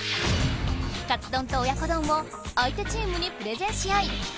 カツ丼と親子丼を相手チームにプレゼンし合い